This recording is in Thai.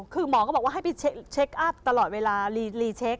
คือหมอก็บอกว่าให้ไปเช็คอัพตลอดเวลารีเช็ค